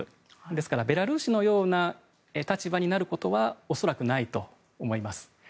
ですから、ベラルーシのような立場になることは恐らくないと思います。